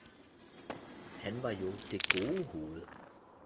Han var jo det gode hoved!